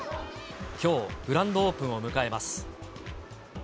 きょう、グランドオープンを迎えます。